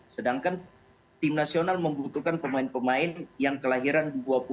sedangkan tim nasional membutuhkan pemain pemain yang kelahiran g dua puluh